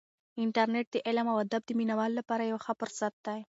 انټرنیټ د علم او ادب د مینه والو لپاره یو ښه فرصت دی.